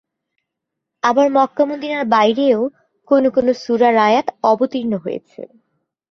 আবার মক্কা-মদিনার বাইরেও কোনো কোনো সূরার আয়াত অবতীর্ণ হয়েছে।